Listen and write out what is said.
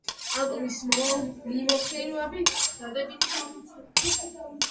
ალბომის მიმოხილვები დადებითი იყო.